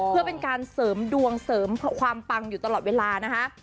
เพื่อเป็นการเสริมดวงเสริมความปังอยู่ตลอดเวลานะคะ